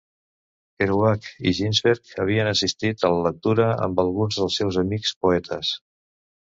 Kerouac i Ginsberg havien assistit a la lectura amb alguns dels seus amics poetes.